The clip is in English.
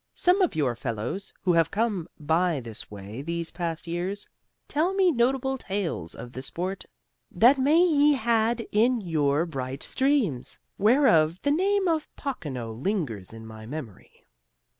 Some of your fellows, who have come by this way these past years, tell me notable tales of the sport that may he had in your bright streams, whereof the name of Pocono lingers in my memory.